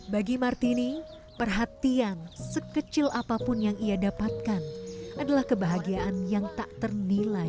bagi martini perhatian sekecil apapun yang ia dapatkan adalah kebahagiaan yang tak ternilai